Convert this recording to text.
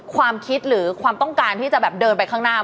ความคิดหรือความต้องการที่จะแบบเดินไปข้างหน้า